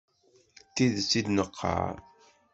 D tidet i d-neqqar.